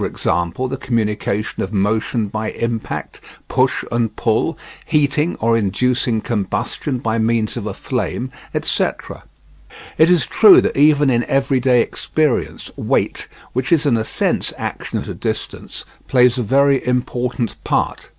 g. the communication of motion by impact, push and pull, heating or inducing combustion by means of a flame, etc. It is true that even in everyday experience weight, which is in a sense action at a distance, plays a very important part.